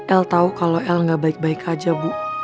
el tau kalau el gak baik baik aja bu